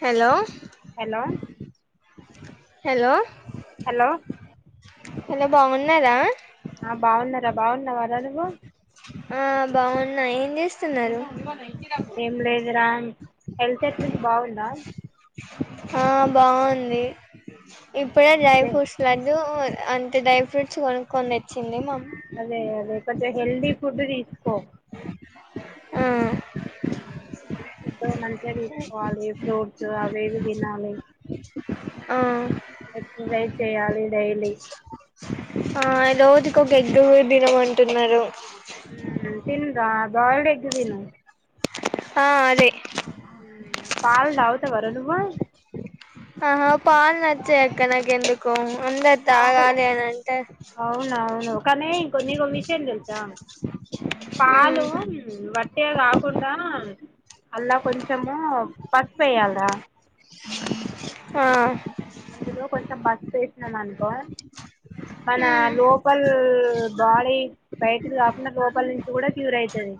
Hello hello hello. Hello. Hello బాగున్నారా. బాగున్నారా బాగున్నావారా నువ్వు. ఆ బాగున్నా ఏం చేస్తున్నరు. ఏంలేదురా. ఆ బాగుంది నే ఇప్పుడే డ్రై అదే ఫ్రూట్స్ లడ్డు అంతే డ్రై ఫ్రూట్స్ కొనుక్కొని తెచ్చింది మా. ఓ. ఆ మంచ్. తీసుకోవాలి ఫ్రూట్స్ అవివి తినాలి ఆ ఎక్సర్సైజ్ చెయాలి డైలీ. ఆ రోజుకి ఒక ఎగ్గు గూడా తినమంటున్నారు ఉ తిన్. ఆ బాయిల్డ్ ఎగ్ తిన్నా ఆ అదే. పాల్ తాగుతావారా నువ్వు. ఆహా పాల్ నచ్చయ్ అక్క నాకు ఎందుకో పాలు అవునవును కానీ ఇంకొన్ని నీకో విషయం తెలుసా, మ్ పాలు ఉమ్మ వట్టిగ కాకుండా అల్ల కొంచమూ. పసుపెయ్యల్రా. ఆ అందులో కొంచెం బస్ స్పేస్ నం అనుకో. మనా మ్ లోపల్ బాడీ బయటిది కాకుండా లోపల్ నుంచి కూడా క్యూర్ అయితది.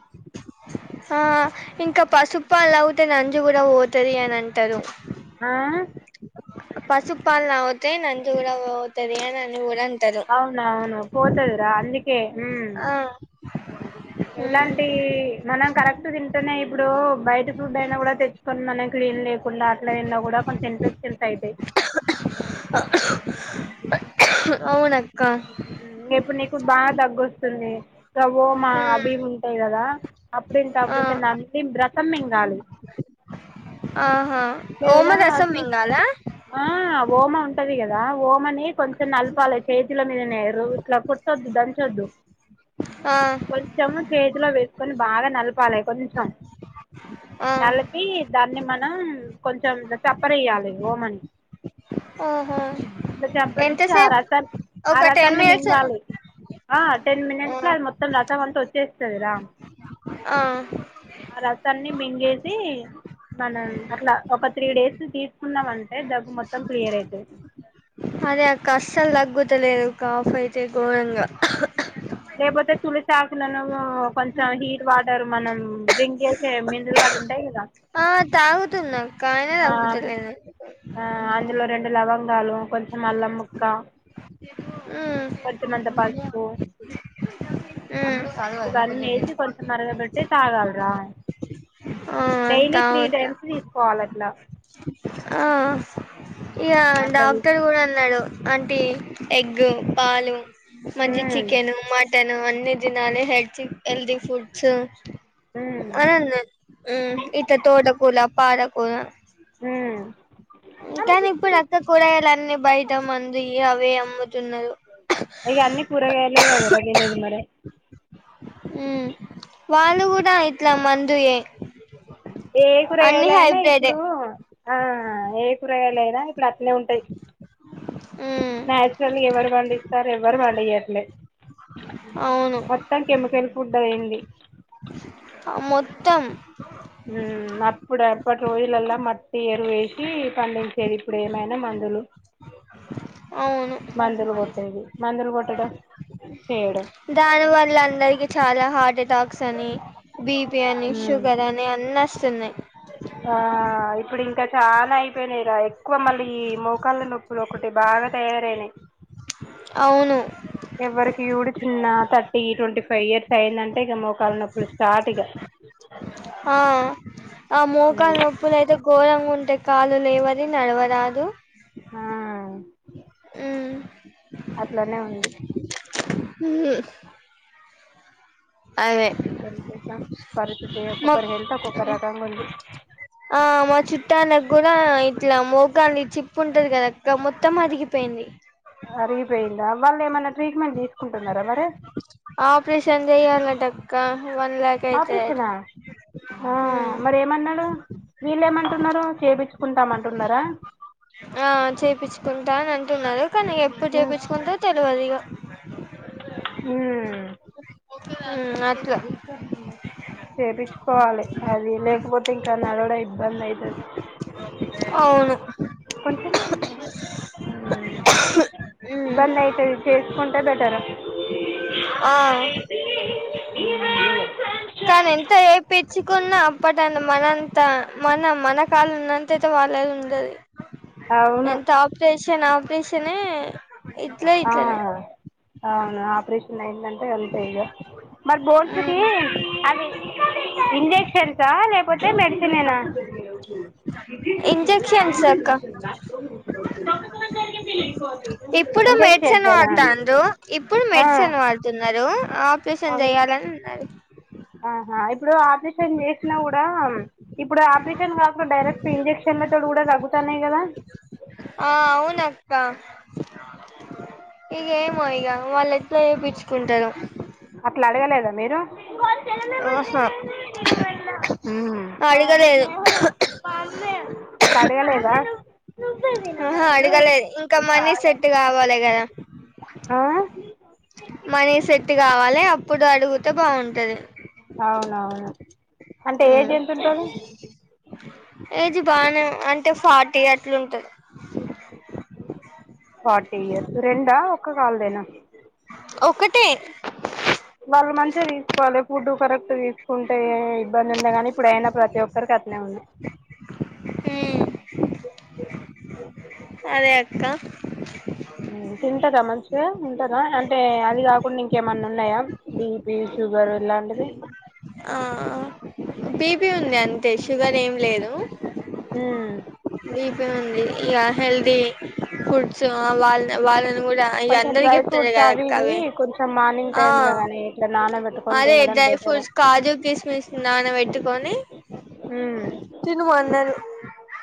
ఆ ఇంకా పసుప్పాల్ తావుతే నంజు కూడా పోతది అని అంటరు. ఆ పసుప్పాల్ తావుతే నంజు కూడ పోతది అని గూడ అన్ అవునా అవును పోతదిరా అందుక్ కే. ఉమ్ ఆ ఎలాంటీ మనం కరెక్ట్ తింటనే ఇప్ ఇప్పుడూ బయట్ ఫుడ్ అయినా కూడ తెచ్చుకొన్ మన క్లీన్ లేకుండా అట్లే ఉన్నా కూడా కొంచెం ఇన్ఫెక్షన్స్ అయితయి. అవునక్ ఉమ్ ఇప్పుడు నీకు బాగ దగ్ గోస్తుందీ వోమా అవి ఇవి ఉంటాయి గదా అప్పుడంత ఆ అప్పుడంత నమిలీ బ్ర మింగాలి ఆహా ఓమ లేదా రసం మింగాల ఆ వోమ్ మ ఉంటది కదా వోమనీ. కొంచెం నల్పాలే చేత్ తుల మీదనే రోట్ల కొట్టొద్దు దంచొద్దు. ఆ కొంచం చేత్ తులో వేసుకొని బాగా నలపాలే కొంచెం. ఆ నలిపీ దాన్ని మన నం కొంచెం ఇట్ల చప్పరియ్యాలే వోమని. ఓహో అట్లా చంపరిచ్చి ఆ ఎంతసేపు రసాన్ ఆ ఒక టెన్ రసాన్ని మినిట్స్ మింగాలి. ఆ టెన్ మినిట్స్ ల అది మొత్తం రసం అంత వచ్ చేస్తదిరా. ఆ ఆ రసాన్ని మింగేసీ మనం అట్లా. త్రీ డేసు తీసుకున్నాం అన్ అదే అక్కా అస్సల్ తగ్గు తలేదు కాఫ్ అయితే ఘోరంగా. లేకపోతే తులసాకులను కొంచెం హీట్ వాటర్ మనం డ్రింక్ చేసే మినరల్ వాటర్ ఉంటాయి కదా ఆ తాగుతున్నా కాయనే ఆ, తగ్గుతులేనే ఆ, అందులో రెండు లవంగాలు కొంచెం అల్లం ముక్కా మ్ కొంచమంత పసుపు. మ్ ఇవన్నీ ఏసీ కొంచెం మరగబెట్టి తాగాలరా ఆ డైలీ త్రీ తాగుతా టైమ్స్ తీసుకోవాల ల ఆ ఇగ ఉమ్, అట్లా తీస్- డాక్టర్ కూడా అన్నాడు. అంటి ఎగ్ పాలు మంచి ఉమ్, చికెను మటను అ న్ని దినాలె హెడ్చి హెల్ది ఫుడ్స్. ఉమ్, అని అన్న ఇట్ల తోట కూల పాలకూర. ఉమ్. కానీ ఇప్పుడు అక్క కూరగాయలు అన్నీ బయట మందు ఏ అవే అమ్ ఇగా అన్ని కూరగాయలే కదరా తినేది మరి హ్మ్ వాళ్ళు గూడా ఇట్లా మందుయే ఏ అన్ని కూరగాయలు అయినా హైబ్రిడే ఇప్పుడు ఆ ఏ కూర లేదా ఇప్పుడు అట్నే ఉంటాయ్ ఉమ్ నాచురలీ ఎవరు పండిస్తారు ఎవరు పండియట్లే అవును మొత్తం కెమికల్ ఫుడ్ అయ్యింది మొ త్తం మ్మ్, అప్పుడు ఎప్పటి రోజులలా మట్టి ఎరువువేసి పండించేది ఇప్పుడు ఏమైనా మందులు అవును మందులు మందులు కొట్టడం చేయడం దాని వల్ల అందరికి చాలా హార్ట్ అట టాక్స్ అని బిపి అని మ్మ్. షుగర్ అని అన్న చెన్నై ఆ ఇప్పుడు ఇంకా చాలా అయిపోయినాయి రా ఎక్కువ మళ్ళీ ఈ మోకాళ్ళ నొప్పులు ఒకటి బాగా తయారనయ్ అవును ఎవరికియూడు చిన్న థర్టీ ట్వంటీ ఫైవ్ ఇయర్స్ అయింది ఇక మోకాల నొప్పులు స్టార్ట్ ఇక ఆ ఆ మోకాల్ నొప్పులైతే ఘోరంగా ఉంటే కాలు లేవది నడవరాదు ఆ ఉమ్ అట్లనే ఉంది ఉమ్ ఎసా పరిస్థితి మా ఒక్కొక్కరు హెల్త్ ఒక్కొక్కరు రకంగా ఉంది ఆ మా చుట్టానికి కూడా ఇట్లా మోకాలి చిప్పు ఉంటది కదాక్క మొత్తం అరిగిపోయింది అరిగిపోయిందా మ ఏమైన్నా ట్రీట్మెంట్ తీసుకుంటున్నారా మరి ఆపరేషన్ చెయ్యాలంటక్కా ఆపరేషనా ఆ ఉమ్ మరేమన్నాడు వీళ్ళేమంటున్నారు చేపించుకుంటాము అంటున్నారా ఆ చేపించుకుంటా అని అంటున్నారు కానీ ఎప్పుడు చేపించుకుంటా తెలియదు ఇగా ఉమ్ అట్లా చేపించుకోవాలి అది లేకపోతే ఇంకా నడవడం ఇబ్బంది అయితది అవును ఉమ్ ఇబ్బందయితది చేస్క టే బెటరు ఆ ఉ కానీ ఎంత ఏపిచ్చుకున్నా అప్పటన్ని మనంత మన మన కాల ఉన్నంతయితే వాళ్ళది ఉండది అవును ఎంత ఆపరేష్ చ్చ నాపిసనే ఆ అవును ఆపరేషన్ అయింద టే అంతే ఇగా మరి బోన్స్ కి అదే ఇంజెక్షన్సా లేకపోతే మెడిసిన్ ఏనా ఇంజెక్షన్స్ అక్క ఇప్పుడు మెడిసిన్ వాడుతాందూ ఇప్పుడు ఆ మెడిసిన్ వాడుతున్నారు ఆపరేషన్ అవును చేయాలని ఉన్న ఆహా ఇప్పుడు ఆపరేషన్ చేసినా కూడా ఇప్పుడు ఆపరేషన్ ఇన్ఫెక్షన్ కాకుండా డైరెక్ట్ ఇంజెక్షన్ తో తగ్గుతన్నాయ్ కదా ఆ అవునక్క ఇక ఏమో ఇక వాళ్ళు ఇట్లా చూపిచ్చు కుంటాడో అట్లా అడగలేదా మీరు ఆహా మ్మ్ అడగలేేదు స అడగలేదా ఆహా అడగలేదు ఇంకా మనీ సెట్ కావాలి కదా ఆ మనీ సెట్ కావాలి అప్పుడు అడుగుతే బాగుంటది అవునవును అంటే ఏజ్ ఎంత ఉంటుంది ఏజ్ బాగానే అంటే ఫార్టీ అట్లుంటది ఫార్టీ ఇయర్స్ రెండా ఒక్క కాలదేనా ఒకటే వాళ్ళు మంచిగా తీసుకోవాలి ఫుడ్ కరెక్ట్ తీసుకుంటే ఇబ్బంది ఉండే గాని ఇప్పుడయినా ప్రతి ఒక్కరికి అట్లే ఉంది ఉమ్ అదే అక్క ఉమ్ తింటద మంచి ఉంటారా అంటే అది కాకుండా ఇంకేమన్నా ఉన్నాయా బీపి షుగర్ ఇలాంటివి ఆ బిపి ఉంది అంతే షుగర్ ఏం లేదు బిపి ఉంది ఇక హెల్దీ ఫుడ్స్ వాళ్ళ వాళ్ళ కొంచెం డ్రై ఫ్రూట్స్ అవి ఇవి కొంచెం మార్నింగ్ ఆ టైమ్ లో గాని ఇట్లా నానబెట్ట అదే డ్రై ఫ్రూట్స్ కాజు కిస్మిస్ నాన పెట్టుకొని ఉమ్ [unintelligible]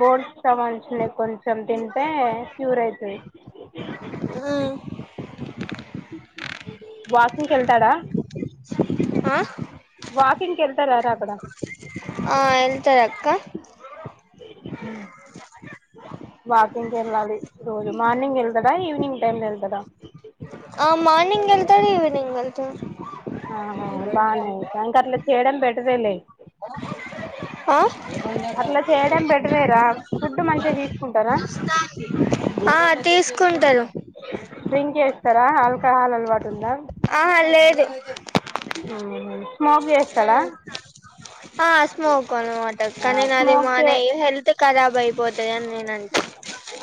బోర్డ్స్ కావాల్సినయి కొంచెం కొంచెం తింటే క్యూర్ అయితది వాకింగ్ కి వెళ్తాడా ఆ వాకింగ్ కి వెళ్తారా రా అక్కడ ఆ వెళ్తార అక్క ఊ వాకింగ్ వెళ్ళాలి రోజు మార్నింగ్ వెళ్తడా ఈవినింగ్ టైమ్ లో వెళ్తాడా ఆ మార్నింగ్ వెళ్తాడు ఈవెనింగ్ వెళ్తాడు ఆహా బాగానే ట్యాంకర్లు చేయడం బెటరేలే ఆ అట్లా చేయడం బెటరేరా ఫుడ్ మంచిగా తీసుకుంటారా ఆ తీసుకు కుంటలో డ్రింక్ చేేస్తారా హల్కా హాల అలవాటు ఉందా ఆ లేదు మోగ ఆ ఆ అ స్మోక్ అన్మాట కానీ నా అదది స్మోక్ చే మన హెల్త్ కరాబా పోతాయని నేన అంటే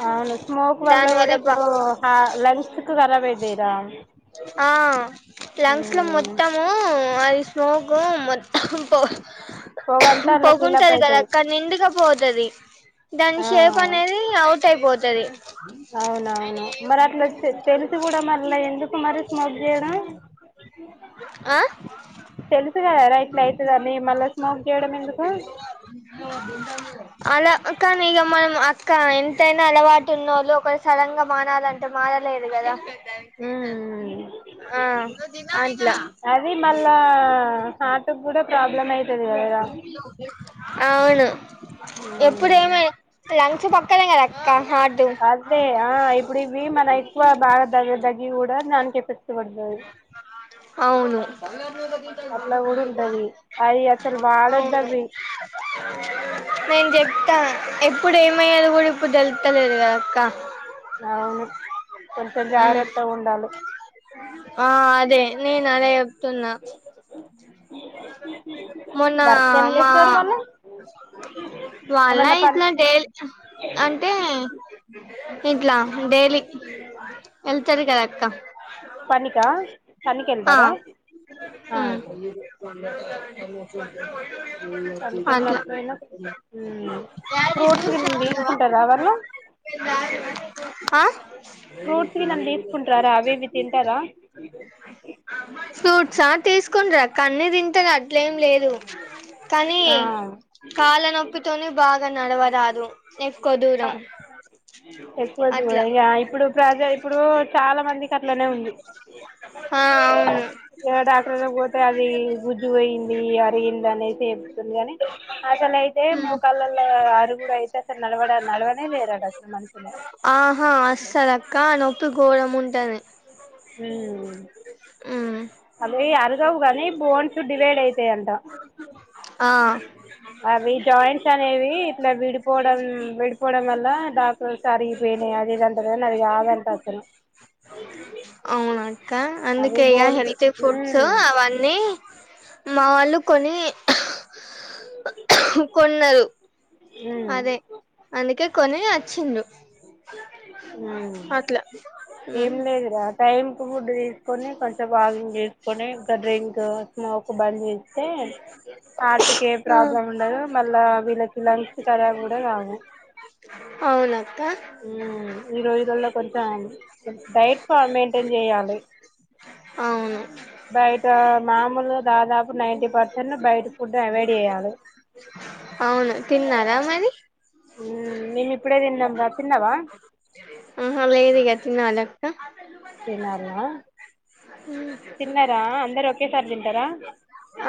అవును స్మోక్ వల్ల దాని కూడా బా ఇప్పుడు ల్ సుకు కరాబయిదరా ఆ లంగ్స్ లో మొత్తము మారి స్కు మొత్తం పొగ పొగంతా అట్లా ఫిలప్ బగుంచాల కదా అవుతుంది అక్క నింగా మదది దాని షే పనేది అ యిపోతుది అవునవును మరి అట్లాచ్చ తెలుసు కూడా మళ్ళ ఎందుకు మరి స్మోక్ చేయడం ఆ తెలుసు కదరాా ఇట్లా అవుతుందాన్ని మళ్ళా స్మోక్ చేయడం ఎందుకు అలా కానీ ఇక మనం అక్క ఎంతైనా అలవాటు ఉన్నళు ఒక సలంగా మానాలంటే మాార లేదు కదా ఉమ్ ఆలా అది మళ్ళా హార్ట్కి కూడా ప్రాబ్లం అవుతుంది కదరా వును ఎప్పుడ ఏమ ఉమ్ లం అదే ఆ ఇప్పుడు ఇవి మన ఎక్కువ బాగా తగ్గదగ్గి కూడా దానికి చెప్పించకడ బా అవును అట్లా కూడా ఉంటది అది అసలు వాడొద్దు అవును అవి నేను చెప్తా ఎప్పుడు ఏమయ్యలో కూడా ఇప్పుడు తెలుతలేదు కదక్క అవును కొంచెం జాగ్రత్త ఉండాల ఆ అదే నేను అదే చెప్తున్నా మొన్న వర్క్ ఏం మా చేస్తారు వాళ్ళు వాళ్ళ ఏమన్నా పని ఇట్లా డై అంటే ఇంట్లా డైలీ వెళ్తురి కద అక్క పనికా పనికి వెళ్తారా ఆ పనికి అ అట్లా వెళ్ళినప్పుడైనా ఉమ్. ఫ్రూట్స్ గిన తీసుకుంటారా వాళ్ళు ఆ ఫ్రూట్స్ గిన తీసుకుంటారా అవి ఇవి తింటారా ఫైట్స్ ఆ తీస్ తీసుకుంటార్ అక్క అని తినటం అట్లేమీ లేదు కానీ ఆ. కళా నొప్పితోనే బాగా నడవ రాదు ఎక్కువది అట్లా కూడా ఇ ఇప్పుడు ప్రజ ఇప్పుడు చాలా మంది అట్లనే ఉంది ఆ అవును డాక్టర్ లో పోతే అది గుజ్జు అయింది అరిగింది అనే చెపుతుంది కాని అసలు అయితే మోకాళ్ళలో అరు గూడు అయితే అసలు నడవ ఆహా అస్తది అక్క నొపి గోరం ఉంట ద్దని మ్మ్ ఉమ్ అవి ఆర్గవు కానీ బోన్స్ డివైడ్ అయి ఆ అవి జాయింస్ అనేవి ఇంగ విడిపోడం విడ్ పోవడం వల డాక్టర్ కార్ విని అదేదాంటది అది కావాలి అంటాను అవునక్క అవి అందుకే ఇగా బోన్స్ హెల్తీ ఫుడ్స్ అవన్నీ మా వాళ్ళు కొన్ని కొన్నారు అదే అందుకే కొని వచ్చింద్రు ఏం ఉమ్ లేదురా టైమ్ ఫుడ్ తీసుకొని కొంచెం వాగింగ్ చేసుకొని గా డ్రింక్ స్మోక్ బంద్ చేసు అతే హార్ట్ కి ఏం ప్రాబ్లం ఉండదు మళ్ళా వీళ్ళకి లంగ్స్ కరాబు కూడా కవు అవునక్క ఈ రోజుల్లో కొంచెం డైట్ మెయింటైన్ చేయాలి అవును బయట మామూలుగా దాదాపు నైంటీ పర్సన్ బయటి ఫుడ్ అవాయిడ్ చేయాలి అవును తిన్నారా మరి నిమి ఇప్పుడే తినం రా తిన్నావా ఆహ లేదిగా తినలే ఉ తినాలా తిన్నారా అందరు ఒకేసారి తింటారా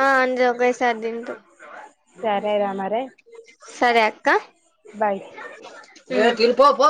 ఆ అంద్రు ఒకేసారి తింటాం సరేరా మరి సరే అక్క బాయ్ తిను పో పో